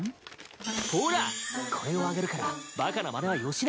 ほらこれをあげるからバカなまねはよしなさい。